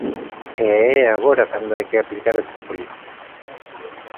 E é agora cando hai que aplicar esas políticas.